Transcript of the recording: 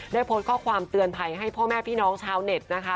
โพสต์ข้อความเตือนภัยให้พ่อแม่พี่น้องชาวเน็ตนะคะ